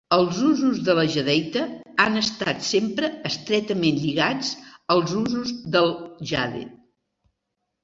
Els usos de la jadeïta han estat sempre estretament lligats als usos del jade.